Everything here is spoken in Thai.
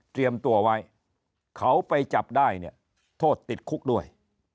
ตัวไว้เขาไปจับได้เนี่ยโทษติดคุกด้วย